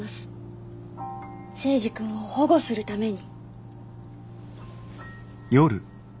征二君を保護するために。